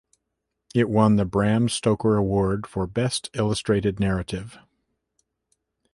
It won the Bram Stoker Award for Best Illustrated Narrative.